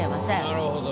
なるほど。